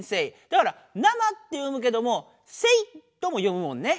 だから生って読むけども生とも読むもんね。